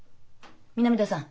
南田さん